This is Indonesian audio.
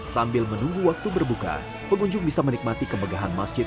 sambil menunggu waktu berbuka pengunjung bisa menikmati kemegahan masjid